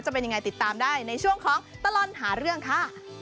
จะเป็นยังไงติดตามได้ในช่วงของตลอดหาเรื่องค่ะ